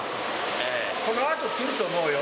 このあと来ると思うよ。